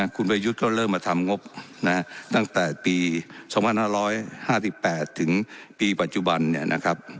คุณประยุทธ์ก็เริ่มมาทำงบตั้งแต่ปี๒๕๕๘ปีปัจจุบัน